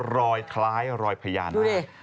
รอยคล้ายรอยพญานาค